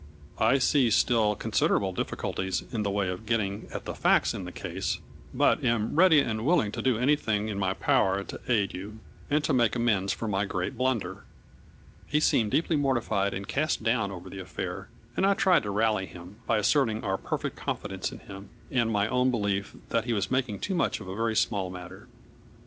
I see still considerable diffi culties in the way of our getting at the facts in the case, but am ready and willing to do any thing in my power to aid you, and to make amends for my great blunder/' He seemed deeply mortified and cast down over the affair, and I tried to rally him, by as serting our perfect confidence in him, and my own belief that he was making too much of a very small matter.